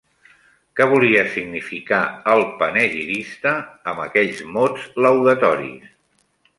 Què volia significar el panegirista amb aquells mots laudatoris?